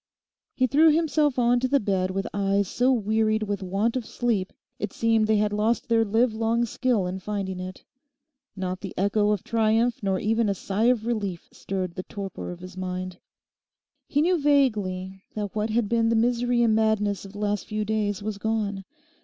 He threw himself on to the bed with eyes so wearied with want of sleep it seemed they had lost their livelong skill in finding it. Not the echo of triumph nor even a sigh of relief stirred the torpor of his mind. He knew vaguely that what had been the misery and madness of the last few days was gone.